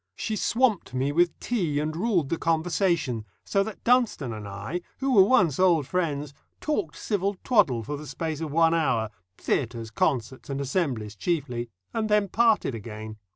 She swamped me with tea and ruled the conversation, so that Dunstone and I, who were once old friends, talked civil twaddle for the space of one hour theatres, concerts, and assemblies chiefly and then parted again.